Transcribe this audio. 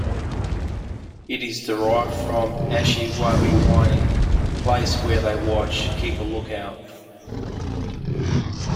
It is derived from "ashiwabiwining" "place where they watch, keep a lookout".